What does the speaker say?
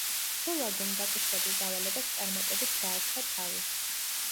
ჰულაგუმ დაკისრებულ დავალებას წარმატებით გაართვა თავი.